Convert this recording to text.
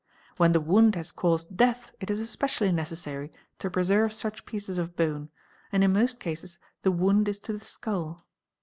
When the wound has caused death it is especially necessary to preserve such pieces of bone and in most cases the wound — is to the skull.